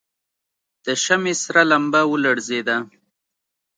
د شمعې سره لمبه ولړزېده.